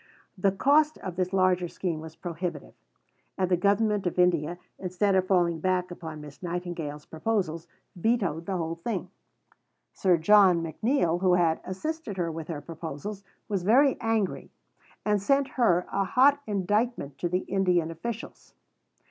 The cost of this larger scheme was prohibitive; and the Government of India, instead of falling back upon Miss Nightingale's proposals, vetoed the whole thing. Sir John McNeill, who had assisted her with her proposals, was very angry, and sent her a hot indictment of the Indian officials.